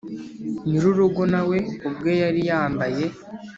nyir'urugo na we ubwe yari yambaye